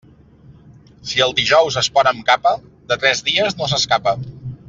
Si el dijous es pon amb capa, de tres dies no s'escapa.